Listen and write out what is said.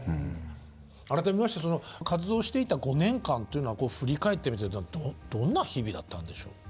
改めまして活動していた５年間というのは振り返ってみてどんな日々だったんでしょう？